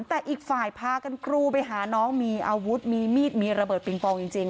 แต่อีกฝ่ายพากันกรูไปหาน้องมีอาวุธมีมีดมีระเบิดปิงปองจริง